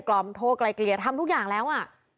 กลมโทกลายเกลียดทำทุกอย่างแล้วอะ